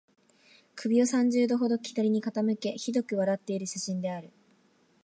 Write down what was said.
首を三十度ほど左に傾け、醜く笑っている写真である